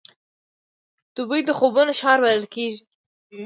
دوبی د خوبونو ښار بلل کېږي.